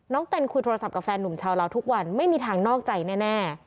เต้นคุยโทรศัพท์กับแฟนหนุ่มชาวลาวทุกวันไม่มีทางนอกใจแน่